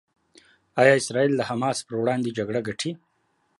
ایا اسرائیل د حماس پر وړاندې جګړه ګټي؟